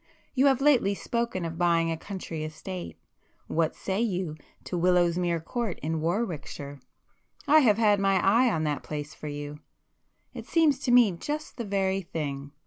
You have lately spoken of buying a country estate—what say you to Willowsmere Court in Warwickshire? I have had my eye on that place for you,—it seems to me just the very thing.